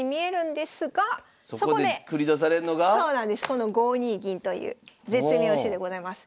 この５二銀という絶妙手でございます。